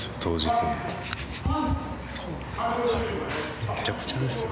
むちゃくちゃですよ。